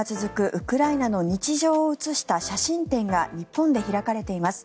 ウクライナの日常を写した写真展が日本で開かれています。